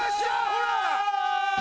ほら！